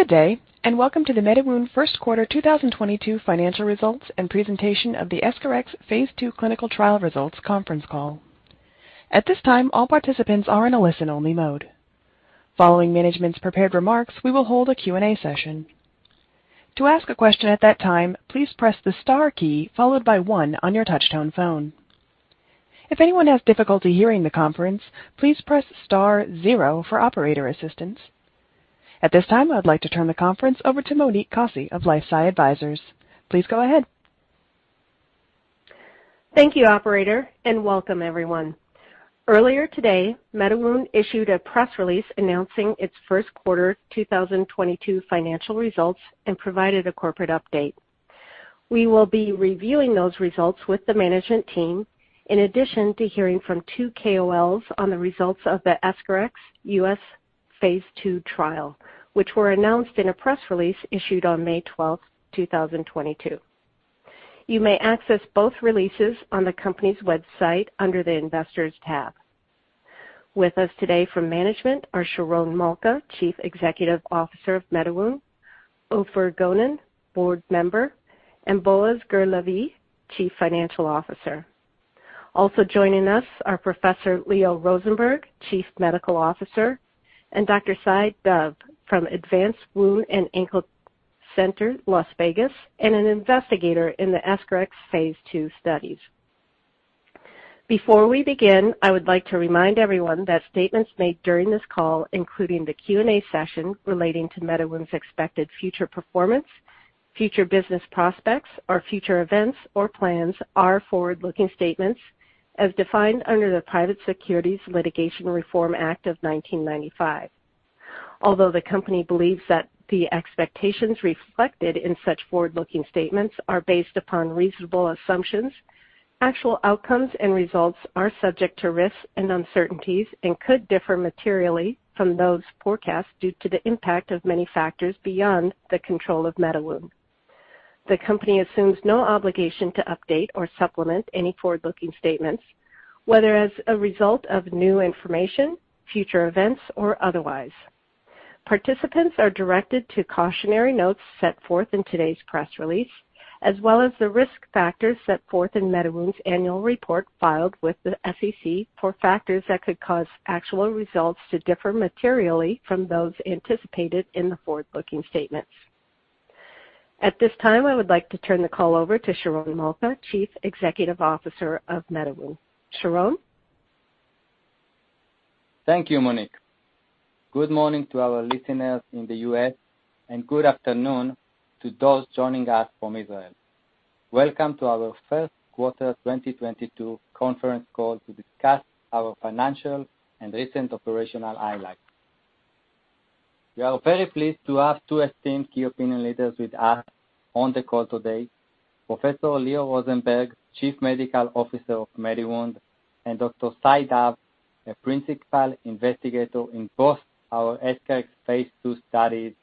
Good day, and welcome to the MediWound First Quarter 2022 Financial Results and Presentation of the EscharEx phase II clinical trial results conference call. At this time, all participants are in a listen-only mode. Following management's prepared remarks, we will hold a Q&A session. To ask a question at that time, please press the star key followed by one on your touchtone phone. If anyone has difficulty hearing the conference, please press star zero for operator assistance. At this time, I would like to turn the conference over to Monique Kosse of LifeSci Advisors. Please go ahead. Thank you, operator, and welcome everyone. Earlier today, MediWound issued a press release announcing its first quarter 2022 financial results and provided a corporate update. We will be reviewing those results with the management team in addition to hearing from two KOLs on the results of the EscharEx U.S. phase II trial, which were announced in a press release issued on May 12, 2022. You may access both releases on the company's website under the Investors tab. With us today from management are Sharon Malka, Chief Executive Officer of MediWound; Ofer Gonen, Board Member; and Boaz Gur-Lavie, Chief Financial Officer. Also joining us are Professor Lior Rosenberg, Chief Medical Officer, and Dr. Cyaandi Dove from Advanced Wound & Ankle Center, Las Vegas, and an investigator in the EscharEx phase II studies. Before we begin, I would like to remind everyone that statements made during this call, including the Q&A session relating to MediWound's expected future performance, future business prospects or future events or plans are forward-looking statements as defined under the Private Securities Litigation Reform Act of 1995. Although the company believes that the expectations reflected in such forward-looking statements are based upon reasonable assumptions, actual outcomes and results are subject to risks and uncertainties and could differ materially from those forecasts due to the impact of many factors beyond the control of MediWound. The company assumes no obligation to update or supplement any forward-looking statements, whether as a result of new information, future events or otherwise. Participants are directed to cautionary notes set forth in today's press release, as well as the risk factors set forth in MediWound's annual report filed with the SEC for factors that could cause actual results to differ materially from those anticipated in the forward-looking statements. At this time, I would like to turn the call over to Sharon Malka, Chief Executive Officer of MediWound. Sharon? Thank you, Monique. Good morning to our listeners in the U.S., and good afternoon to those joining us from Israel. Welcome to our first quarter 2022 conference call to discuss our financial and recent operational highlights. We are very pleased to have two esteemed key opinion leaders with us on the call today. Professor Lior Rosenberg, Chief Medical Officer of MediWound, and Dr. Cyaandi Dove, a principal investigator in both our EscharEx phase II studies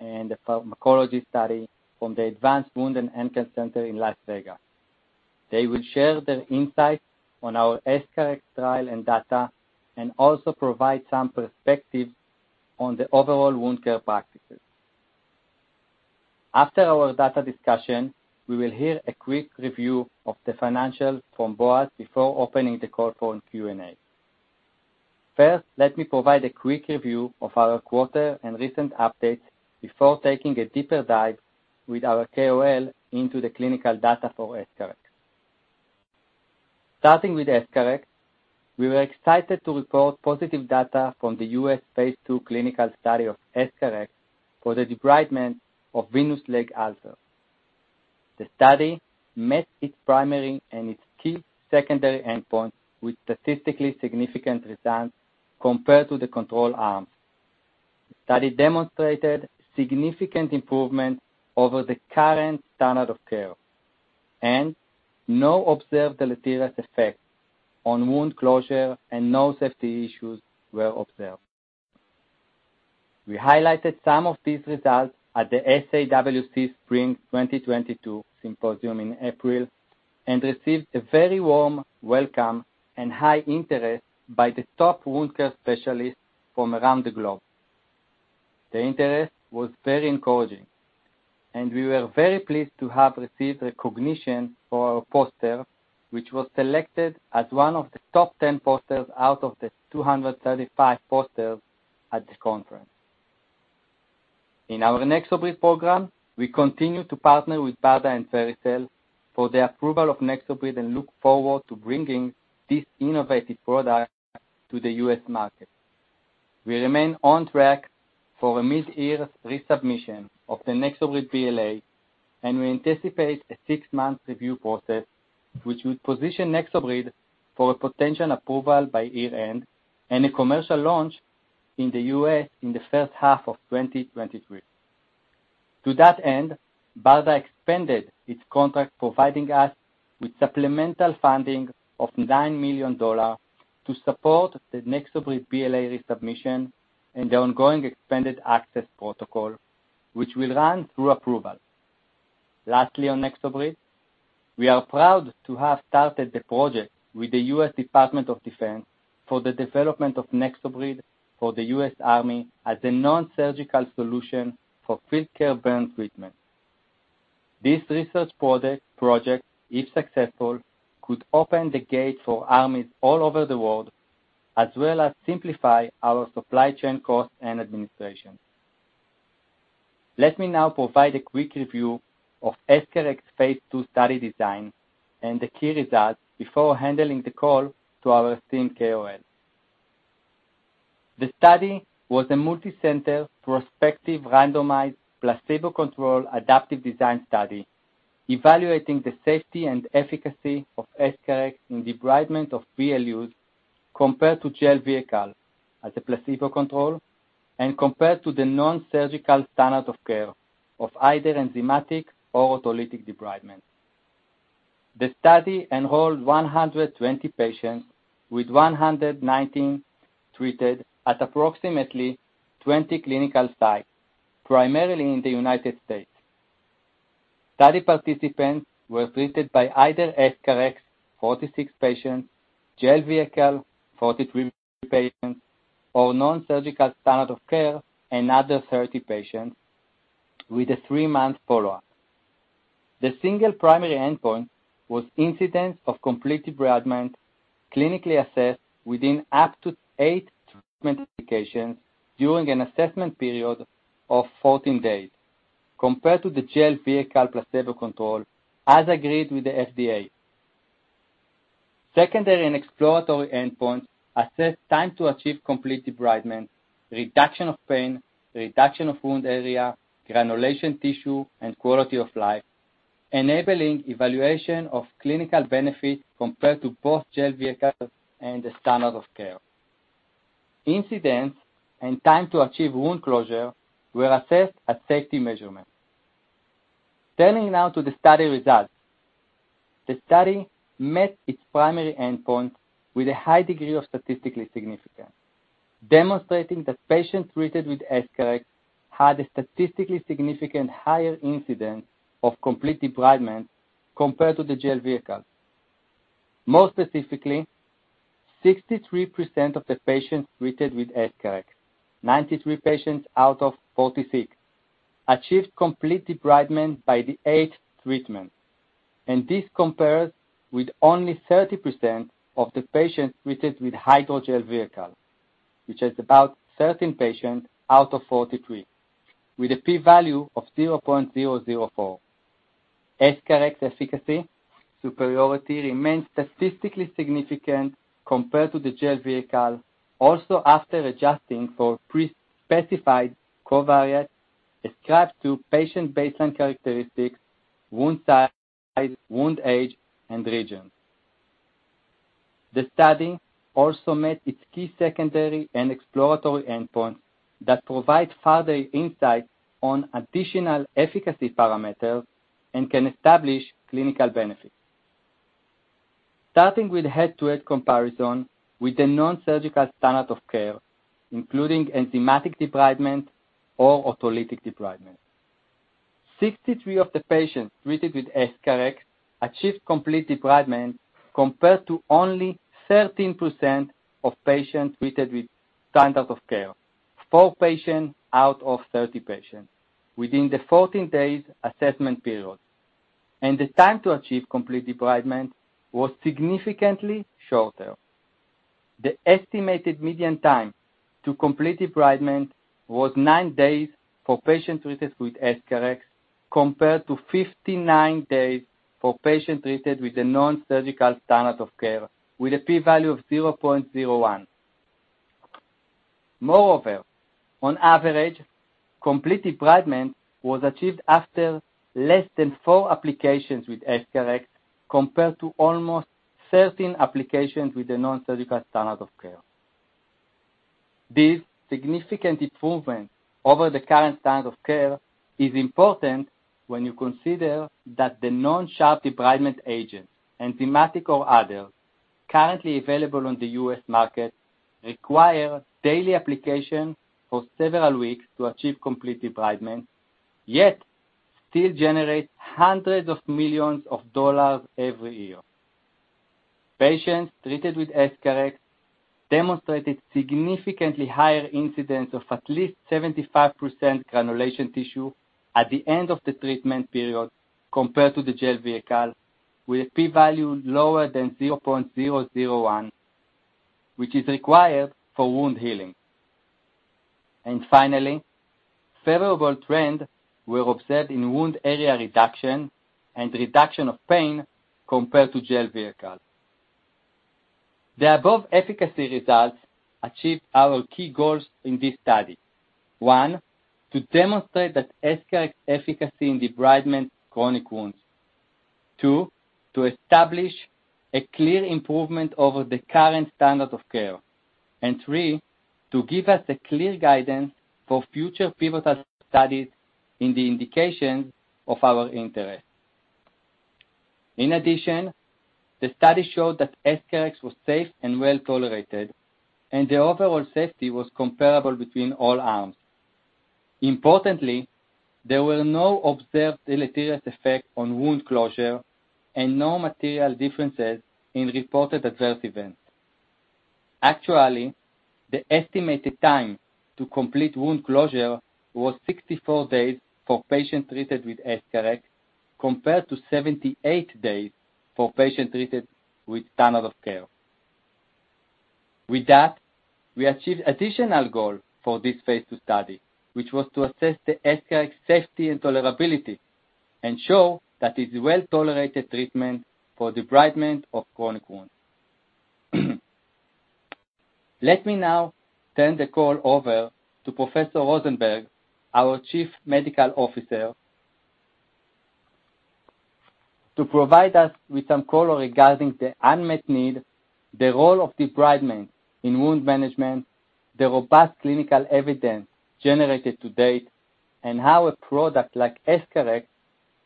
and the pharmacology study from the Advanced Wound & Ankle Center in Las Vegas. They will share their insights on our EscharEx trial and data and also provide some perspective on the overall wound care practices. After our data discussion, we will hear a quick review of the financials from Boaz before opening the call for Q&A. First, let me provide a quick review of our quarter and recent updates before taking a deeper dive with our KOL into the clinical data for EscharEx. Starting with EscharEx, we were excited to report positive data from the U.S. phase II clinical study of EscharEx for the debridement of venous leg ulcers. The study met its primary and its key secondary endpoint with statistically significant results compared to the control arm. The study demonstrated significant improvement over the current standard of care and no observed deleterious effects on wound closure and no safety issues were observed. We highlighted some of these results at the SAWC Spring 2022 symposium in April and received a very warm welcome and high interest by the top wound care specialists from around the globe. The interest was very encouraging, and we were very pleased to have received recognition for our poster, which was selected as one of the top 10 posters out of the 235 posters at the conference. In our NexoBrid program, we continue to partner with BARDA and Vericel for the approval of NexoBrid and look forward to bringing this innovative product to the U.S. market. We remain on track for a mid-year resubmission of the NexoBrid BLA, and we anticipate a six-month review process which will position NexoBrid for a potential approval by year-end and a commercial launch in the U.S. in the first half of 2023. To that end, BARDA expanded its contract, providing us with supplemental funding of $9 million to support the NexoBrid BLA resubmission and the ongoing expanded access protocol, which will run through approval. Lastly, on NexoBrid, we are proud to have started the project with the U.S. Department of Defense for the development of NexoBrid for the U.S. Army as a non-surgical solution for field care burn treatment. This research project, if successful, could open the gates for armies all over the world, as well as simplify our supply chain costs and administration. Let me now provide a quick review of EscharEx's phase II study design and the key results before handing the call to our esteemed KOLs. The study was a multicenter prospective randomized placebo-controlled adaptive design study evaluating the safety and efficacy of EscharEx in debridement of VLUs compared to gel vehicle as a placebo control and compared to the non-surgical standard of care of either enzymatic or autolytic debridement. The study enrolled 120 patients, with 119 treated at approximately 20 clinical sites, primarily in the United States. Study participants were treated by either EscharEx, 46 patients, gel vehicle, 43 patients, or non-surgical standard of care, another 30 patients, with a three-month follow-up. The single primary endpoint was incidence of complete debridement, clinically assessed within up to eight treatment applications during an assessment period of 14 days compared to the gel vehicle placebo control as agreed with the FDA. Secondary and exploratory endpoints assess time to achieve complete debridement, reduction of pain, reduction of wound area, granulation tissue, and quality of life, enabling evaluation of clinical benefit compared to both gel vehicle and the standard of care. Incidence and time to achieve wound closure were assessed at safety measurement. Turning now to the study results. The study met its primary endpoint with a high degree of statistical significance, demonstrating that patients treated with EscharEx had a statistically significant higher incidence of complete debridement compared to the gel vehicle. More specifically, 63% of the patients treated with EscharEx, 93 patients out of 46, achieved complete debridement by the eighth treatment, and this compares with only 30% of the patients treated with hydrogel vehicle, which is about 13 patients out of 43, with a P value of 0.004. EscharEx efficacy superiority remains statistically significant compared to the gel vehicle, also after adjusting for pre-specified covariates ascribed to patient baseline characteristics, wound size, wound age, and region. The study also met its key secondary and exploratory endpoints that provide further insight on additional efficacy parameters and can establish clinical benefits. Starting with head-to-head comparison with the non-surgical standard of care, including enzymatic debridement or autolytic debridement. 63 of the patients treated with EscharEx achieved complete debridement compared to only 13% of patients treated with standard of care, 4 patients out of 30 patients, within the 14 days assessment period. The time to achieve complete debridement was significantly shorter. The estimated median time to complete debridement was 9 days for patients treated with EscharEx compared to 59 days for patients treated with the non-surgical standard of care, with a P value of 0.01. Moreover, on average, complete debridement was achieved after less than four applications with EscharEx compared to almost 13 applications with the non-surgical standard of care. This significant improvement over the current standard of care is important when you consider that the non-sharp debridement agents, enzymatic or other, currently available on the U.S. market require daily application for several weeks to achieve complete debridement, yet still generates hundreds of millions of dollars every year. Patients treated with EscharEx demonstrated significantly higher incidence of at least 75% granulation tissue at the end of the treatment period compared to the gel vehicle, with a P value lower than 0.001, which is required for wound healing. Finally, favorable trend were observed in wound area reduction and reduction of pain compared to gel vehicle. The above efficacy results achieved our key goals in this study. One, to demonstrate that EscharEx efficacy in debridement of chronic wounds. Two, to establish a clear improvement over the current standard of care. Three, to give us a clear guidance for future pivotal studies in the indication of our interest. In addition, the study showed that EscharEx was safe and well-tolerated, and the overall safety was comparable between all arms. Importantly, there were no observed deleterious effects on wound closure and no material differences in reported adverse events. Actually, the estimated time to complete wound closure was 64 days for patients treated with EscharEx, compared to 78 days for patients treated with standard of care. With that, we achieved additional goal for this phase II study, which was to assess the EscharEx safety and tolerability and show that it's a well-tolerated treatment for debridement of chronic wounds. Let me now turn the call over to Professor Rosenberg, our Chief Medical Officer, to provide us with some color regarding the unmet need, the role of debridement in wound management, the robust clinical evidence generated to date, and how a product like EscharEx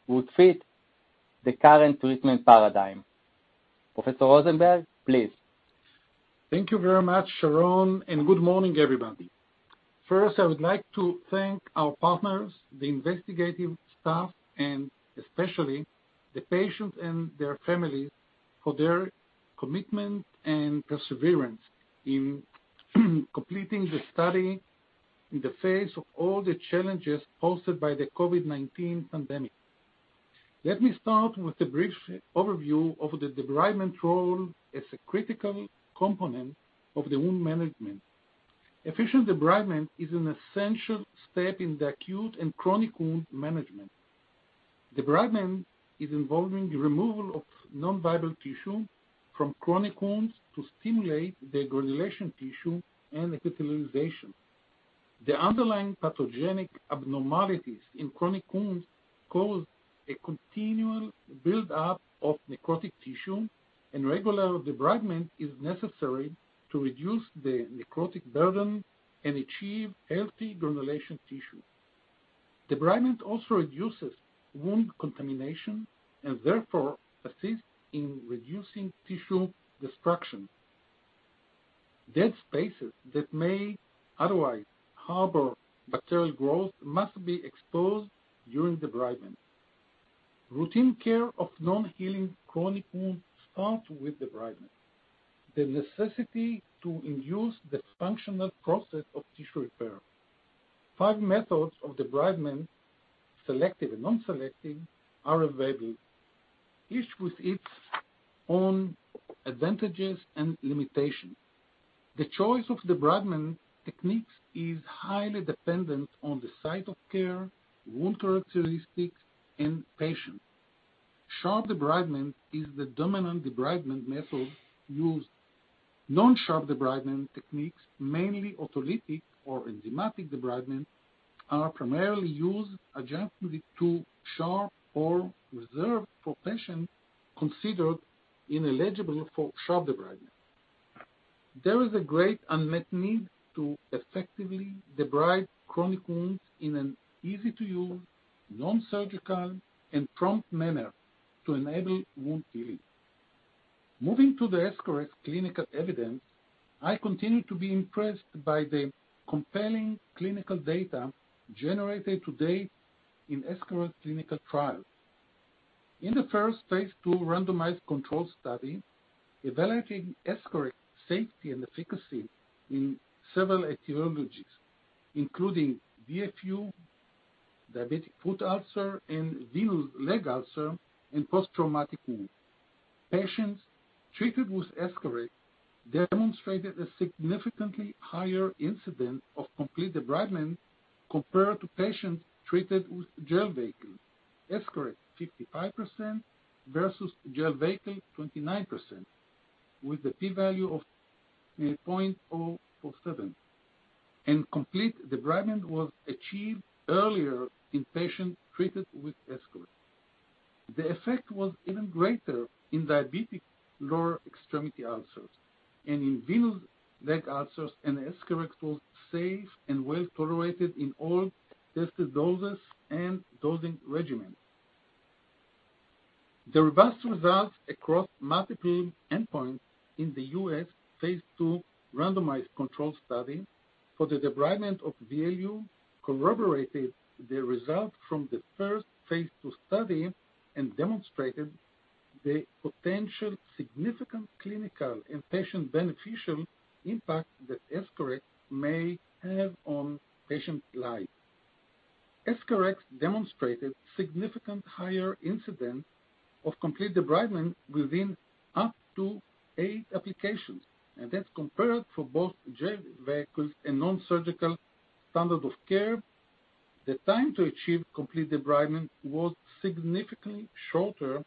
would fit the current treatment paradigm. Professor Rosenberg, please. Thank you very much, Sharon, and good morning, everybody. First, I would like to thank our partners, the investigative staff, and especially the patients and their families for their commitment and perseverance in completing the study in the face of all the challenges posed by the COVID-19 pandemic. Let me start with a brief overview of the debridement role as a critical component of the wound management. Efficient debridement is an essential step in the acute and chronic wound management. Debridement is involving the removal of non-viable tissue from chronic wounds to stimulate the granulation tissue and epithelialization. The underlying pathogenic abnormalities in chronic wounds cause a continual build-up of necrotic tissue, and regular debridement is necessary to reduce the necrotic burden and achieve healthy granulation tissue. Debridement also reduces wound contamination and therefore assists in reducing tissue destruction. Dead spaces that may otherwise harbor bacterial growth must be exposed during debridement. Routine care of non-healing chronic wounds starts with debridement, the necessity to induce the functional process of tissue repair. Five methods of debridement, selective and non-selective, are available, each with its own advantages and limitations. The choice of debridement techniques is highly dependent on the site of care, wound characteristics, and patient. Sharp debridement is the dominant debridement method used. Non-sharp debridement techniques, mainly autolytic or enzymatic debridement, are primarily used adjunctive to sharp or reserved for patients considered ineligible for sharp debridement. There is a great unmet need to effectively debride chronic wounds in an easy-to-use, non-surgical, and prompt manner to enable wound healing. Moving to the EscharEx clinical evidence, I continue to be impressed by the compelling clinical data generated to date in EscharEx clinical trials. In the first phase II randomized control study, evaluating EscharEx safety and efficacy in several etiologies, including DFU, diabetic foot ulcer, and venous leg ulcer, and post-traumatic wound. Patients treated with EscharEx demonstrated a significantly higher incidence of complete debridement compared to patients treated with gel vehicle. EscharEx 55% versus gel vehicle 29%, with the P value of 0.047. Complete debridement was achieved earlier in patients treated with EscharEx. The effect was even greater in diabetic lower extremity ulcers and in venous leg ulcers, and EscharEx was safe and well-tolerated in all tested doses and dosing regimens. The robust results across multiple endpoints in the U.S. phase II randomized controlled study for the debridement of VLU corroborated the results from the first phase II study and demonstrated the potential significant clinical and patient beneficial impact that EscharEx may have on patients' lives. EscharEx demonstrated significant higher incidence of complete debridement within up to eight applications, and that's compared for both gel vehicles and non-surgical standard of care. The time to achieve complete debridement was significantly shorter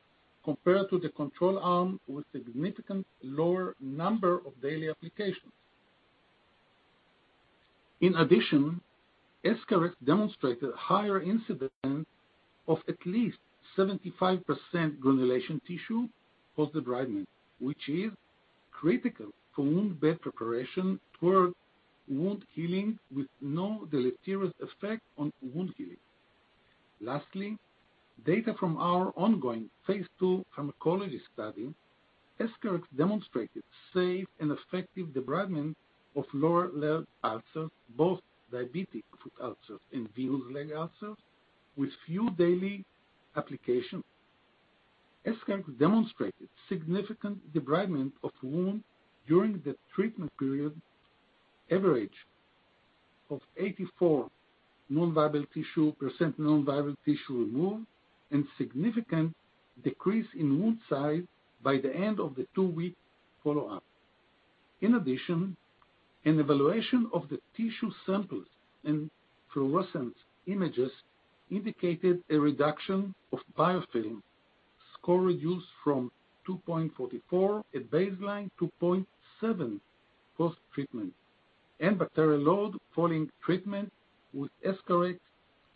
compared to the control arm with significant lower number of daily applications. In addition, EscharEx demonstrated higher incidence of at least 75% granulation tissue post debridement, which is critical for wound bed preparation toward wound healing with no deleterious effect on wound healing. Lastly, data from our ongoing phase II pharmacology study, EscharEx demonstrated safe and effective debridement of lower leg ulcers, both diabetic foot ulcers and venous leg ulcers, with few daily application. EscharEx demonstrated significant debridement of wound during the treatment period, average of 84% non-viable tissue, percent non-viable tissue removed, and significant decrease in wound size by the end of the two-week follow-up. In addition, an evaluation of the tissue samples and fluorescence images indicated a reduction of biofilm. Score reduced from 2.44 at baseline to 0.7 post-treatment. Bacterial load following treatment with EscharEx,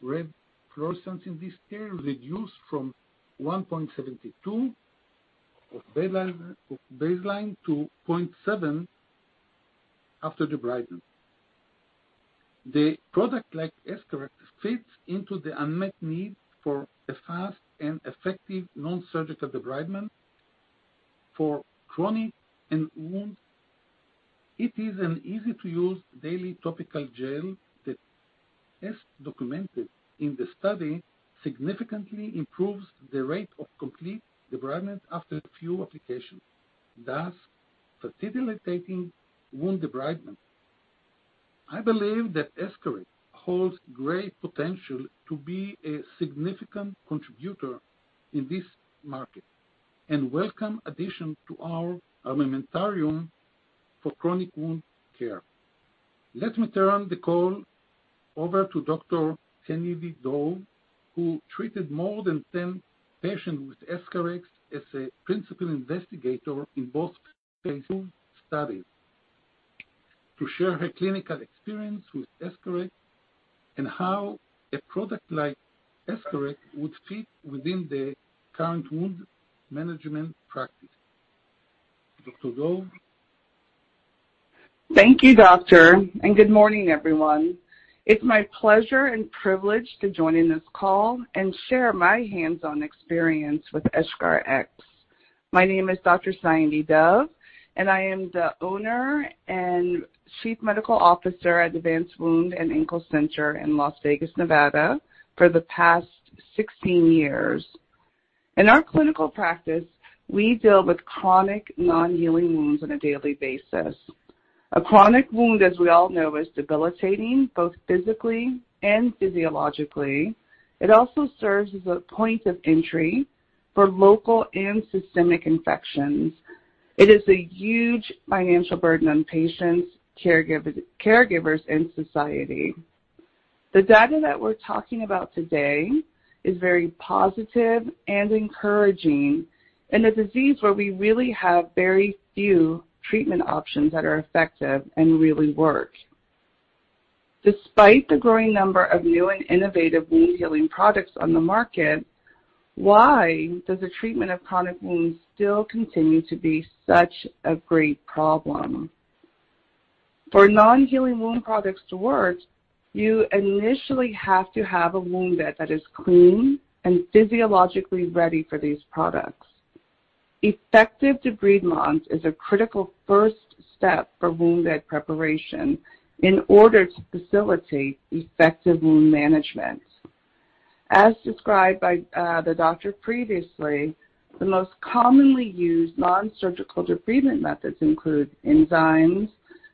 red fluorescence intensity reduced from 1.72 of baseline to 0.7 after debridement. The product like EscharEx fits into the unmet need for a fast and effective non-surgical debridement for chronic and wounds. It is an easy to use daily topical gel that, as documented in the study, significantly improves the rate of complete debridement after a few applications, thus facilitating wound debridement. I believe that EscharEx holds great potential to be a significant contributor in this market and welcome addition to our armamentarium for chronic wound care. Let me turn the call over to Dr. Cyaandi Dove, who treated more than 10 patients with EscharEx as a principal investigator in both phase II studies, to share her clinical experience with EscharEx and how a product like EscharEx would fit within the current wound management practice. Dr. Dove? Thank you, Doctor, and good morning, everyone. It's my pleasure and privilege to join in this call and share my hands-on experience with EscharEx. My name is Dr. Cyaandi Dove, and I am the owner and Chief Medical Officer at Advanced Wound & Ankle Center in Las Vegas, Nevada, for the past 16 years. In our clinical practice, we deal with chronic non-healing wounds on a daily basis. A chronic wound, as we all know, is debilitating, both physically and physiologically. It also serves as a point of entry for local and systemic infections. It is a huge financial burden on patients, caregivers, and society. The data that we're talking about today is very positive and encouraging in a disease where we really have very few treatment options that are effective and really work. Despite the growing number of new and innovative wound-healing products on the market, why does the treatment of chronic wounds still continue to be such a great problem? For non-healing wound products to work, you initially have to have a wound bed that is clean and physiologically ready for these products. Effective debridement is a critical first step for wound bed preparation in order to facilitate effective wound management. As described by the doctor previously, the most commonly used non-surgical debridement methods include enzymes.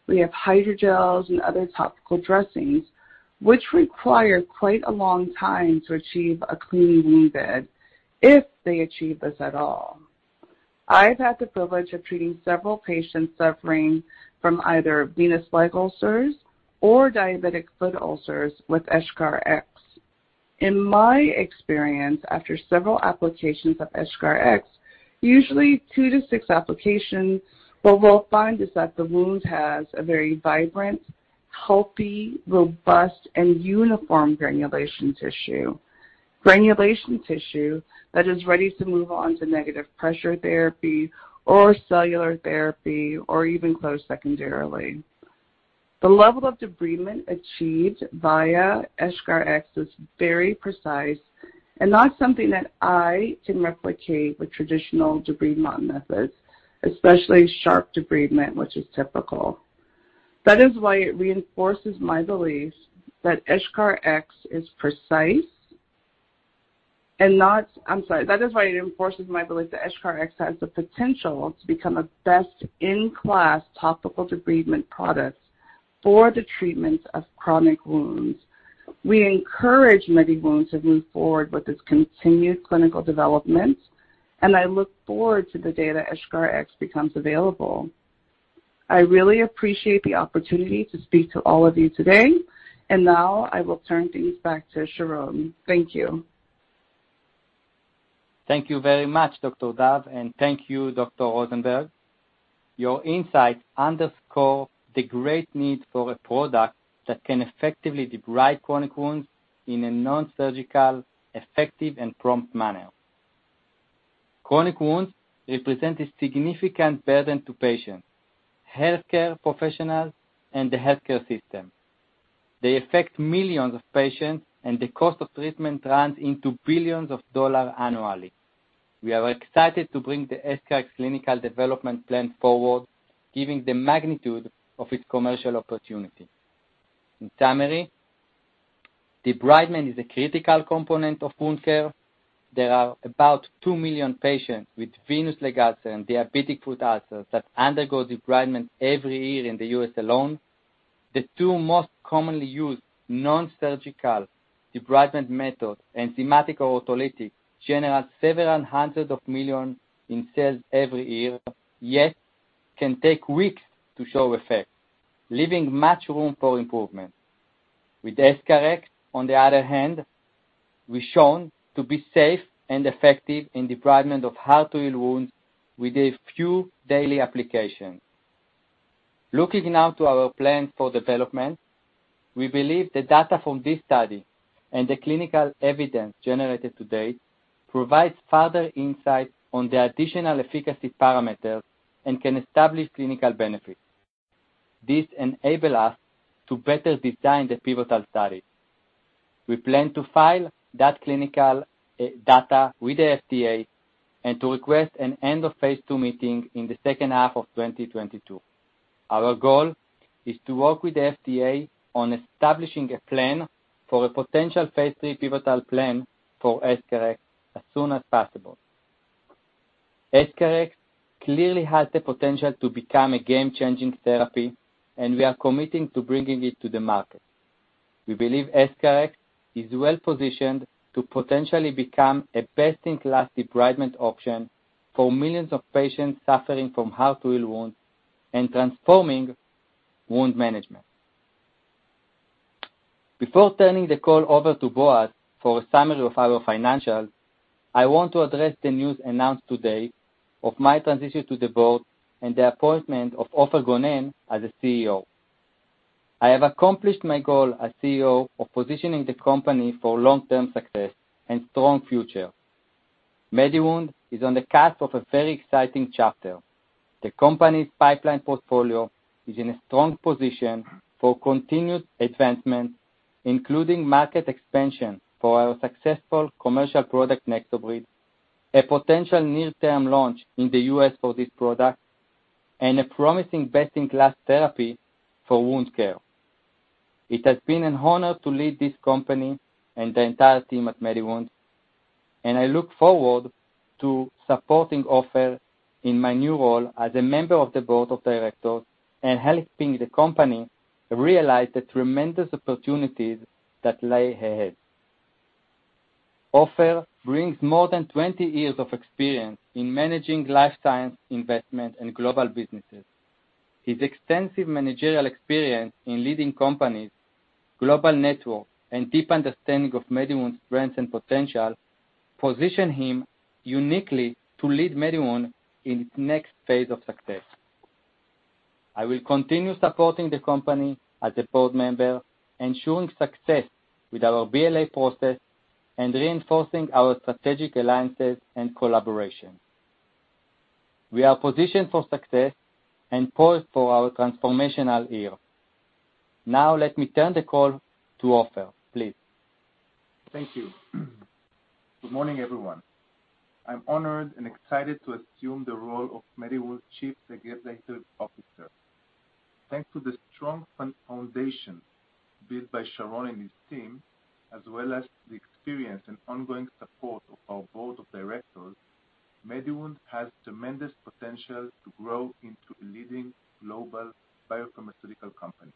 We have hydrogels and other topical dressings, which require quite a long time to achieve a clean wound bed, if they achieve this at all. I've had the privilege of treating several patients suffering from either venous leg ulcers or diabetic foot ulcers with EscharEx. In my experience, after several applications of EscharEx, usually two to six applications, what we'll find is that the wound has a very vibrant, healthy, robust, and uniform granulation tissue. Granulation tissue that is ready to move on to negative pressure therapy or cellular therapy or even closed secondarily. The level of debridement achieved via EscharEx is very precise and not something that I can replicate with traditional debridement methods, especially sharp debridement, which is typical. That is why it reinforces my belief that EscharEx has the potential to become a best-in-class topical debridement product for the treatment of chronic wounds. We encourage MediWound to move forward with its continued clinical development, and I look forward to the day that EscharEx becomes available. I really appreciate the opportunity to speak to all of you today. Now I will turn things back to Sharon. Thank you. Thank you very much, Dr. Dove, and thank you, Dr. Rosenberg. Your insights underscore the great need for a product that can effectively debride chronic wounds. In a non-surgical, effective, and prompt manner. Chronic wounds represent a significant burden to patients, healthcare professionals, and the healthcare system. They affect millions of patients, and the cost of treatment runs into billions of dollar annually. We are excited to bring the EscharEx clinical development plan forward, given the magnitude of its commercial opportunity. In summary, debridement is a critical component of wound care. There are about 2 million patients with venous leg ulcers and diabetic foot ulcers that undergo debridement every year in the U.S. alone. The two most commonly used non-surgical debridement methods, enzymatic or autolytic, generate several hundred of million in sales every year, yet can take weeks to show effect, leaving much room for improvement. With EscharEx, on the other hand, we've shown to be safe and effective in debridement of hard-to-heal wounds with a few daily applications. Looking now to our plan for development, we believe the data from this study and the clinical evidence generated to date provides further insight on the additional efficacy parameters and can establish clinical benefits. This enables us to better design the pivotal study. We plan to file that clinical data with the FDA and to request an end of phase II meeting in the second half of 2022. Our goal is to work with the FDA on establishing a plan for a potential phase III pivotal plan for EscharEx as soon as possible. EscharEx clearly has the potential to become a game-changing therapy, and we are committing to bringing it to the market. We believe EscharEx is well-positioned to potentially become a best-in-class debridement option for millions of patients suffering from hard-to-heal wounds and transforming wound management. Before turning the call over to Boaz for a summary of our financials, I want to address the news announced today of my transition to the board and the appointment of Ofer Gonen as the CEO. I have accomplished my goal as CEO of positioning the company for long-term success and strong future. MediWound is on the cusp of a very exciting chapter. The company's pipeline portfolio is in a strong position for continued advancement, including market expansion for our successful commercial product, NexoBrid, a potential near-term launch in the U.S. for this product, and a promising best-in-class therapy for wound care. It has been an honor to lead this company and the entire team at MediWound, and I look forward to supporting Ofer in my new role as a member of the board of directors and helping the company realize the tremendous opportunities that lay ahead. Ofer brings more than 20 years of experience in managing life science investment and global businesses. His extensive managerial experience in leading companies, global network, and deep understanding of MediWound's strengths and potential position him uniquely to lead MediWound in its next phase of success. I will continue supporting the company as a board member, ensuring success with our BLA process and reinforcing our strategic alliances and collaborations. We are positioned for success and poised for our transformational year. Now let me turn the call to Ofer, please. Thank you. Good morning, everyone. I'm honored and excited to assume the role of MediWound's chief executive officer. Thanks to the strong foundation built by Sharon and his team, as well as the experience and ongoing support of our board of directors, MediWound has tremendous potential to grow into a leading global biopharmaceutical company.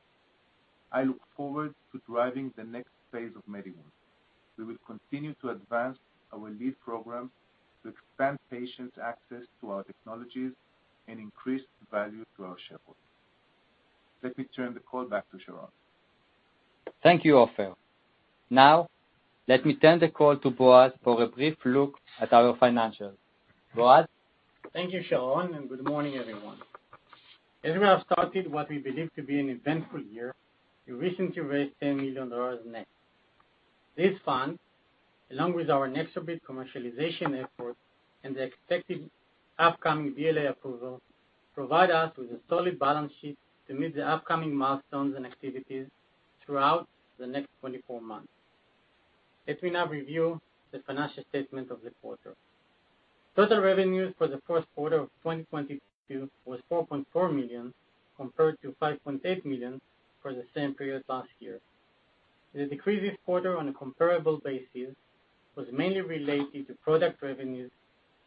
I look forward to driving the next phase of MediWound. We will continue to advance our lead program to expand patients' access to our technologies and increase the value to our shareholders. Let me turn the call back to Sharon. Thank you, Ofer. Now, let me turn the call to Boaz for a brief look at our financials. Boaz? Thank you, Sharon, and good morning, everyone. As we have started what we believe to be an eventful year, we recently raised $10 million net. These funds, along with our NexoBrid commercialization efforts and the expected upcoming BLA approval, provide us with a solid balance sheet to meet the upcoming milestones and activities throughout the next 24 months. Let me now review the financial statement of the quarter. Total revenues for the first quarter of 2022 was $4.4 million, compared to $5.8 million for the same period last year. The decrease this quarter on a comparable basis was mainly related to product revenues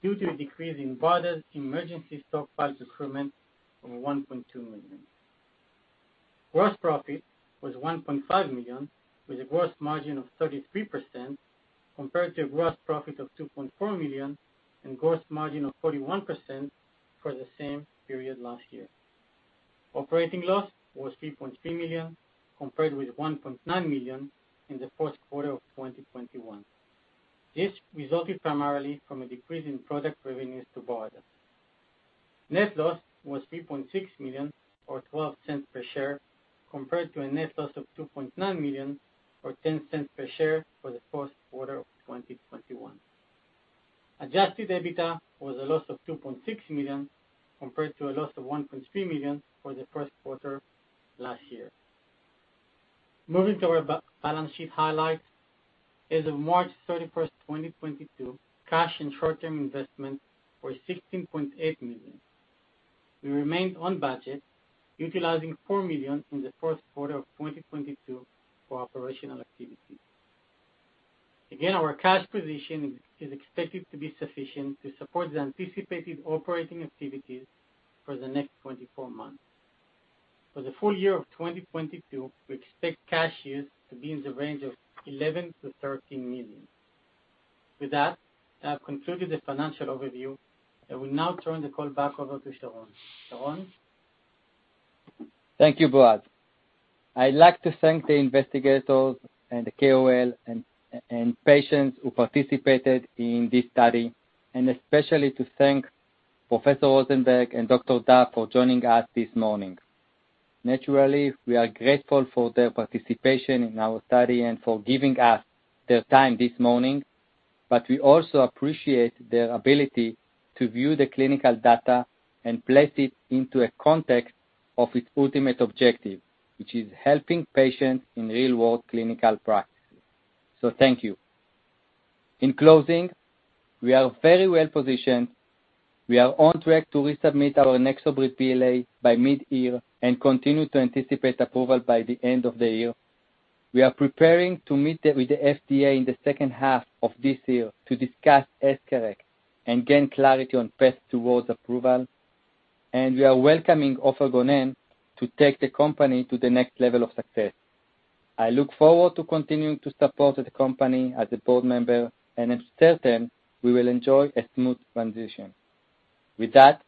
due to a decrease in BARDA's emergency stockpile procurement of $1.2 million. Gross profit was $1.5 million, with a gross margin of 33%, compared to a gross profit of $2.4 million and gross margin of 41% for the same period last year. Operating loss was $3.3 million, compared with $1.9 million in the first quarter of 2021. This resulted primarily from a decrease in product revenues to BARDA. Net loss was $3.6 million or $0.012 per share compared to a net loss of $2.9 million or 10 cents per share for the first quarter of 2021. Adjusted EBITDA was a loss of $2.6 million compared to a loss of $1.3 million for the first quarter last year. Moving to our balance sheet highlights. As of March 31, 2022, cash and short-term investment were $16.8 million. We remained on budget, utilizing $4 million in the first quarter of 2022 for operational activities. Again, our cash position is expected to be sufficient to support the anticipated operating activities for the next 24 months. For the full year of 2022, we expect cash use to be in the range of $11 million-$13 million. With that, I have concluded the financial overview. I will now turn the call back over to Sharon. Sharon? Thank you, Boaz. I'd like to thank the investigators and the KOL and patients who participated in this study, and especially to thank Professor Rosenberg and Dr. Dove for joining us this morning. Naturally, we are grateful for their participation in our study and for giving us their time this morning, but we also appreciate their ability to view the clinical data and place it into a context of its ultimate objective, which is helping patients in real-world clinical practices. Thank you. In closing, we are very well positioned. We are on track to resubmit our NexoBrid BLA by mid-year and continue to anticipate approval by the end of the year. We are preparing to meet with the FDA in the second half of this year to discuss EscharEx and gain clarity on path towards approval, and we are welcoming Ofer Gonen to take the company to the next level of success. I look forward to continuing to support the company as a board member, and I'm certain we will enjoy a smooth transition. With that,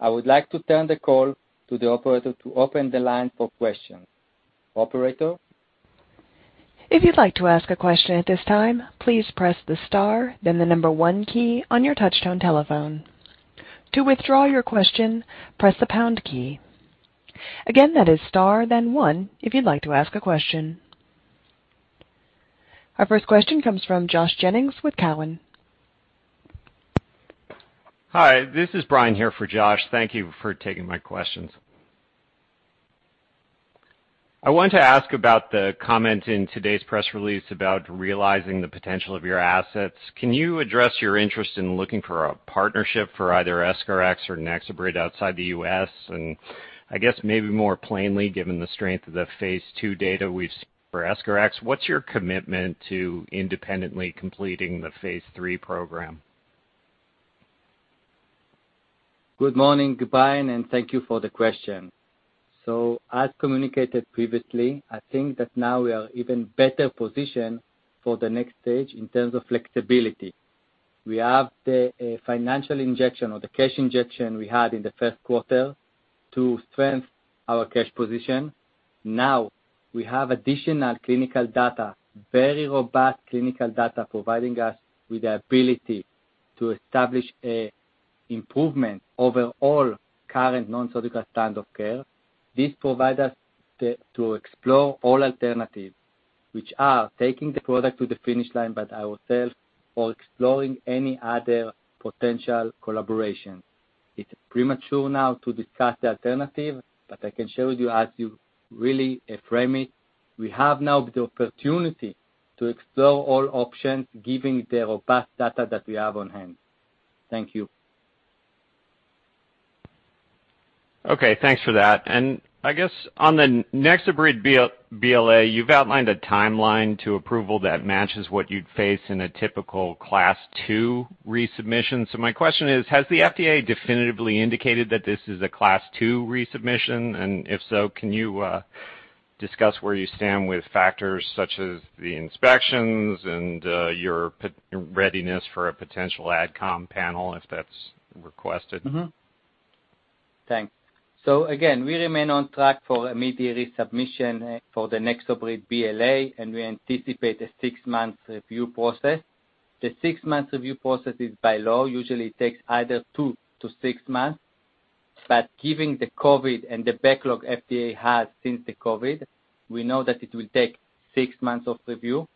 I would like to turn the call to the operator to open the line for questions. Operator? If you'd like to ask a question at this time, please press the star, then the number one key on your touchtone telephone. To withdraw your question, press the pound key. Again, that is star, then one if you'd like to ask a question. Our first question comes from Josh Jennings with TD Cowen. Hi, this is Brian here for Josh. Thank you for taking my questions. I want to ask about the comment in today's press release about realizing the potential of your assets. Can you address your interest in looking for a partnership for either EscharEx or NexoBrid outside the U.S.? I guess maybe more plainly, given the strength of the phase II data we've seen for EscharEx, what's your commitment to independently completing the phase III program? Good morning, Brian, and thank you for the question. As communicated previously, I think that now we are even better positioned for the next stage in terms of flexibility. We have the financial injection or the cash injection we had in the first quarter to strengthen our cash position. Now we have additional clinical data, very robust clinical data, providing us with the ability to establish a improvement over all current non-surgical standard care. This provide us to explore all alternatives, which are taking the product to the finish line by ourselves or exploring any other potential collaboration. It's premature now to discuss the alternative, but I can share with you as you really frame it, we have now the opportunity to explore all options given the robust data that we have on hand. Thank you. Okay, thanks for that. I guess on the NexoBrid BLA, you've outlined a timeline to approval that matches what you'd face in a typical Class 2 resubmission. My question is, has the FDA definitively indicated that this is a Class 2 resubmission? If so, can you discuss where you stand with factors such as the inspections and your preparedness for a potential AdCom panel, if that's requested? Again, we remain on track for a mid-year resubmission for the NexoBrid BLA, and we anticipate a six-month review process. The six-month review process is by law. Usually it takes either two to six months. Given the COVID and the backlog FDA has since the COVID, we know that it will take six months of review,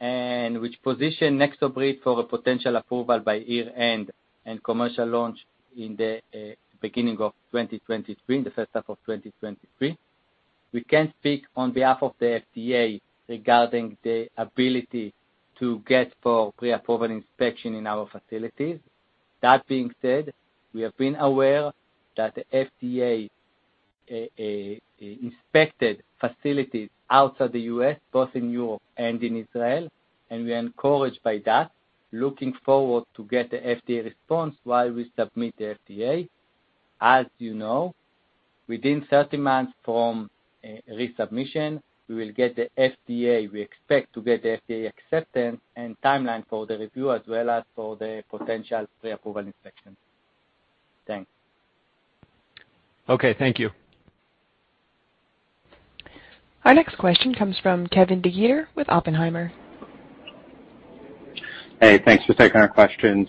and which position NexoBrid for a potential approval by year-end and commercial launch in the beginning of 2023, in the first half of 2023. We can't speak on behalf of the FDA regarding the ability to get for pre-approval inspection in our facilities. That being said, we have been aware that the FDA inspected facilities outside the U.S., both in Europe and in Israel, and we are encouraged by that. Looking forward to get the FDA response while we submit the FDA. As you know, within 30 months from resubmission, we expect to get the FDA acceptance and timeline for the review as well as for the potential pre-approval inspection. Thanks. Okay, thank you. Our next question comes from Kevin DeGeeter with Oppenheimer. Hey, thanks for taking our questions.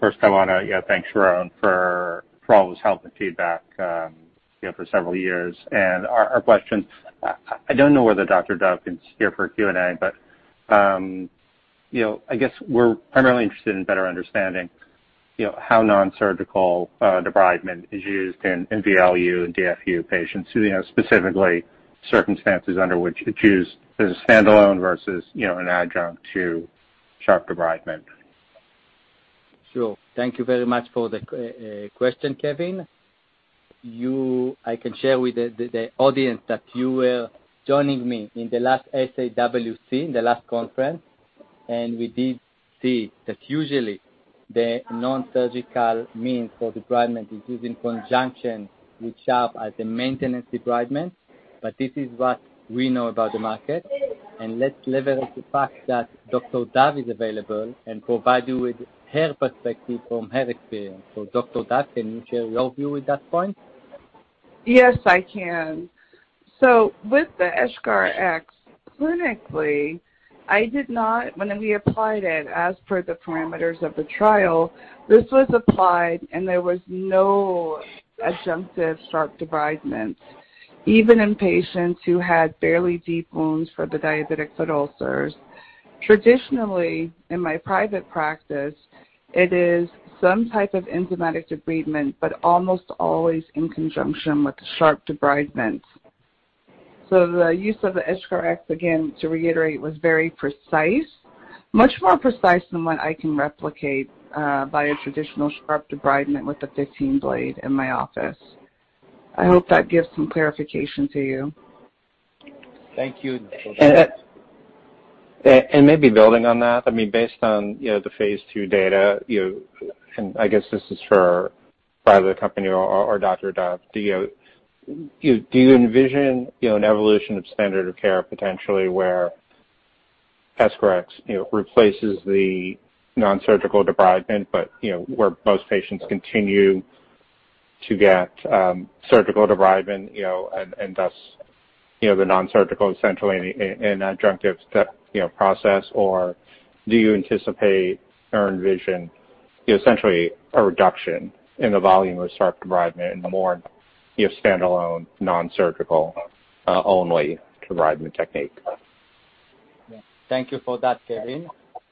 First I wanna thank Sharon for all his help and feedback, you know, for several years. Our question, I don't know whether Dr. Dove is here for Q&A, but, you know, I guess we're primarily interested in better understanding, you know, how nonsurgical debridement is used in VLU and DFU patients who, you know, specifically circumstances under which it's used as a standalone versus, you know, an adjunct to sharp debridement. Sure. Thank you very much for the question, Kevin. I can share with the audience that you were joining me in the last SAWC, in the last conference, and we did see that usually the nonsurgical means for debridement is used in conjunction with sharp as a maintenance debridement. This is what we know about the market. Let's leverage the fact that Dr. Dove is available and provide you with her perspective from her experience. Dr. Dove, can you share your view at that point? Yes, I can. With the EscharEx, clinically, when we applied it as per the parameters of the trial, this was applied, and there was no adjunctive sharp debridement, even in patients who had fairly deep wounds for the diabetic foot ulcers. Traditionally, in my private practice, it is some type of enzymatic debridement, but almost always in conjunction with sharp debridement. The use of the EscharEx, again, to reiterate, was very precise, much more precise than what I can replicate by a traditional sharp debridement with a 15 blade in my office. I hope that gives some clarification to you. Thank you, Dr. Dove. Maybe building on that, I mean, based on, you know, the phase II data, you know, and I guess this is for either the company or Dr. Dove. Do you envision, you know, an evolution of standard of care potentially where EscharEx, you know, replaces the nonsurgical debridement, but, you know, where most patients continue to get surgical debridement, you know, and thus, you know, the nonsurgical essentially in adjunctive you know, process? Or do you anticipate or envision, essentially, a reduction in the volume of sharp debridement and more, you know, standalone nonsurgical only debridement technique? Thank you for that, Kevin.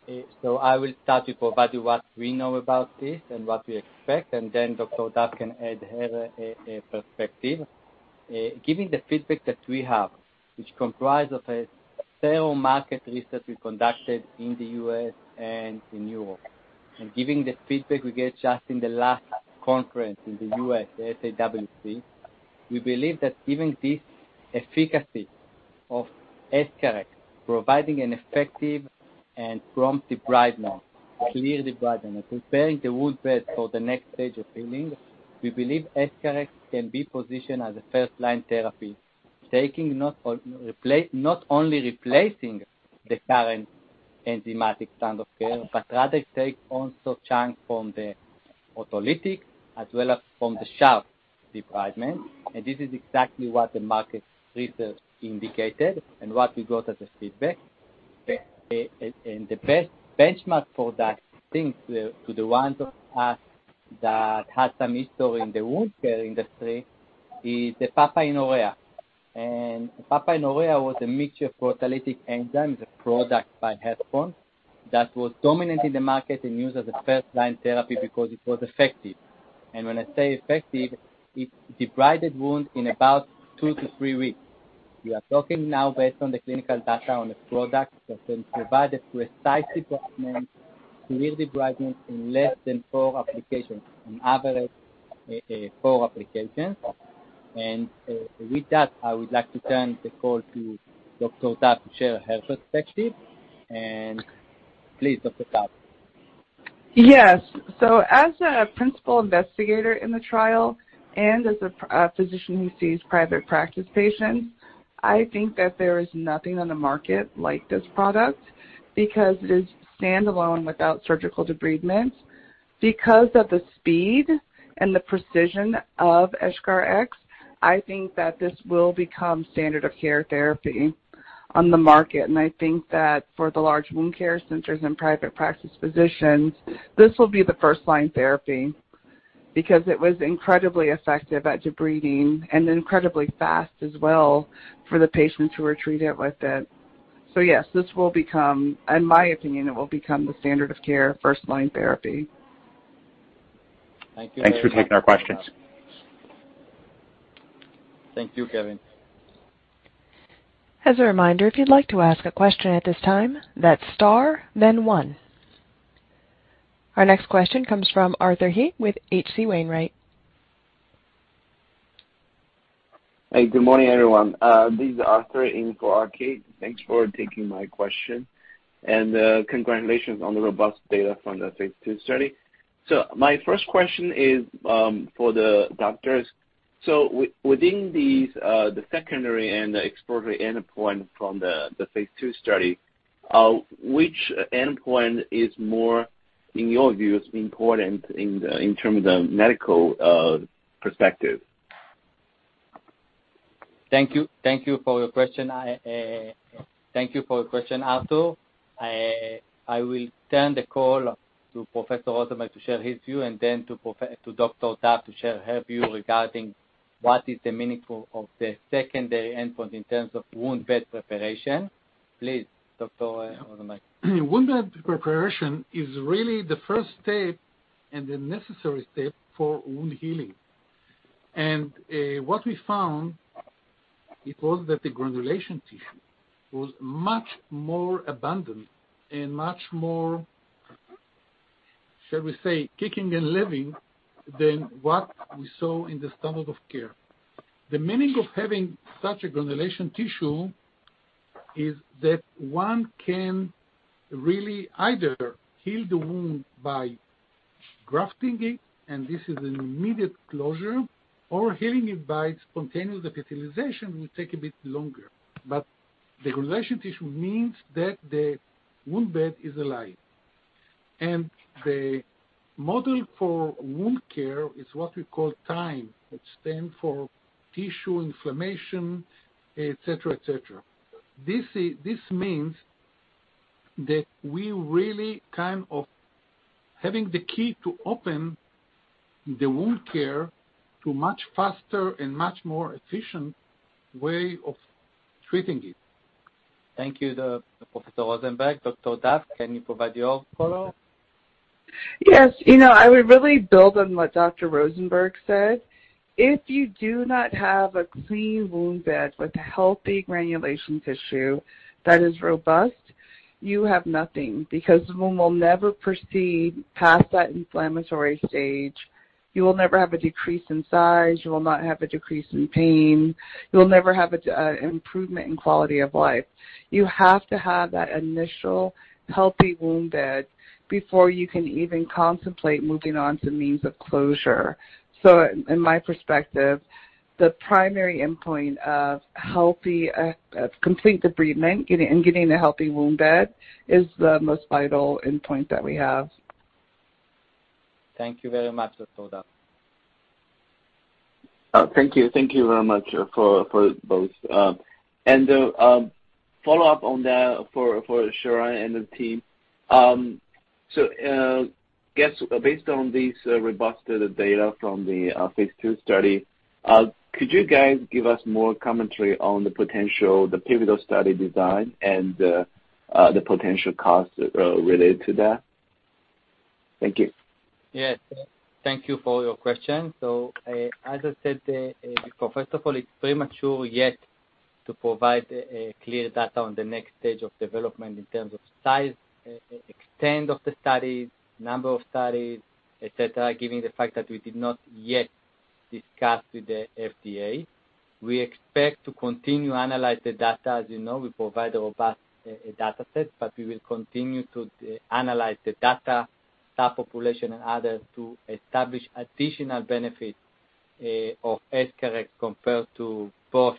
I will start to provide you what we know about this and what we expect, and then Dr. Dove can add her perspective. Giving the feedback that we have, which comprise of a thorough market research we conducted in the U.S. and in Europe. Giving the feedback we get just in the last conference in the U.S., the SAWC, we believe that giving this efficacy of EscharEx, providing an effective and prompt debridement, clear debridement, and preparing the wound bed for the next stage of healing, we believe EscharEx can be positioned as a first-line therapy, not only replacing the current enzymatic standard of care, but rather take also chunk from the autolytic as well as from the sharp debridement. This is exactly what the market research indicated and what we got as a feedback. The best benchmark for that, I think, to the ones of us that had some history in the wound care industry, is the Papain-Urea. Papain-Urea was a mixture of autolytic enzymes, a product by Healthpoint, that was dominant in the market and used as a first-line therapy because it was effective. When I say effective, it debrided wound in about two to three weeks. We are talking now based on the clinical data on this product that can provide a precise debridement, clear debridement in less than four applications, on average, four applications. With that, I would like to turn the call to Dr. Dove to share her perspective. Please, Dr. Dove. Yes. As a principal investigator in the trial and as a physician who sees private practice patients, I think that there is nothing on the market like this product because it is standalone without surgical debridement. Because of the speed and the precision of EscharEx, I think that this will become standard of care therapy on the market. I think that for the large wound care centers and private practice physicians, this will be the first-line therapy because it was incredibly effective at debriding and incredibly fast as well for the patients who were treated with it. Yes, this will become. In my opinion, it will become the standard of care first-line therapy. Thank you very much. Thanks for taking our questions. Thank you, Kevin. As a reminder, if you'd like to ask a question at this time, that's star then one. Our next question comes from Arthur He with H.C. Wainwright. Good morning, everyone. This is Arthur in for RK. Thanks for taking my question, and congratulations on the robust data from the phase II study. My first question is for the doctors. Within these, the secondary and the exploratory endpoint from the phase II study, which endpoint is more, in your view, is important in terms of medical perspective? Thank you for your question, Arthur. I will turn the call to Professor Rosenberg to share his view and then to Dr. Dove to share her view regarding what is the meaning of the second day endpoint in terms of wound bed preparation. Please, Dr. Rosenberg. Wound bed preparation is really the first step and the necessary step for wound healing. What we found it was that the granulation tissue was much more abundant and much more, shall we say, kicking and living than what we saw in the standard of care. The meaning of having such a granulation tissue is that one can really either heal the wound by grafting it, and this is an immediate closure, or healing it by spontaneous epithelialization will take a bit longer. The granulation tissue means that the wound bed is alive. The model for wound care is what we call TIME. It stands for tissue, inflammation, et cetera, et cetera. This means that we really kind of having the key to open the wound care to much faster and much more efficient way of treating it. Thank you, Professor Rosenberg. Dr. Dove, can you provide your follow-up? Yes. You know, I would really build on what Dr. Rosenberg said. If you do not have a clean wound bed with healthy granulation tissue that is robust, you have nothing because the wound will never proceed past that inflammatory stage. You will never have a decrease in size. You will not have a decrease in pain. You'll never have a improvement in quality of life. You have to have that initial healthy wound bed before you can even contemplate moving on to means of closure. In my perspective, the primary endpoint of healthy, complete debridement and getting a healthy wound bed is the most vital endpoint that we have. Thank you very much, Dr. Dove. Thank you. Thank you very much for both. Follow-up on that for Sharon and the team. I guess based on this robust data from the phase II study, could you guys give us more commentary on the potential, the pivotal study design and the potential costs related to that? Thank you. Yes. Thank you for your question. As I said, first of all, it's premature yet to provide a clear data on the next stage of development in terms of size, extent of the studies, number of studies, et cetera, given the fact that we did not yet discuss with the FDA. We expect to continue analyze the data. As you know, we provide a robust data set, but we will continue to analyze the data, subpopulation and others, to establish additional benefit of EscharEx compared to both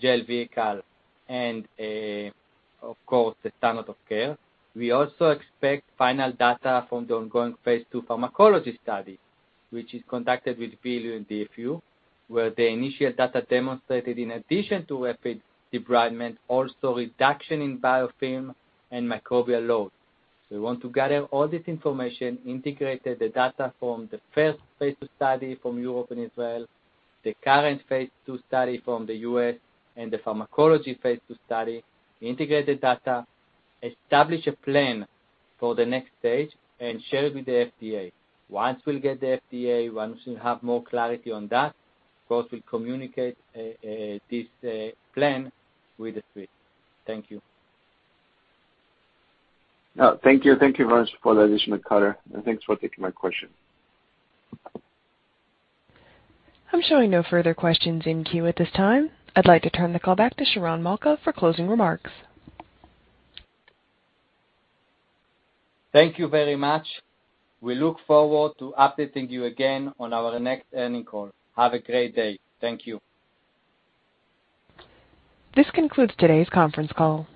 gel vehicle and, of course, the standard of care. We also expect final data from the ongoing phase II pharmacology study, which is conducted with VLU and DFU, where the initial data demonstrated, in addition to rapid debridement, also reduction in biofilm and microbial load. We want to gather all this information, integrate the data from the first phase II study from Europe and Israel, the current phase II study from the U.S., and the pharmacology phase II study, integrate the data, establish a plan for the next stage, and share it with the FDA. Once we'll have more clarity on that, of course, we'll communicate this plan with the Street. Thank you. Thank you. Thank you very much for the additional color, and thanks for taking my question. I'm showing no further questions in queue at this time. I'd like to turn the call back to Sharon Malka for closing remarks. Thank you very much. We look forward to updating you again on our next earnings call. Have a great day. Thank you. This concludes today's conference call.